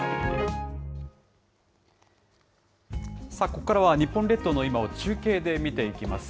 ここからは、日本列島の今を中継で見ていきます。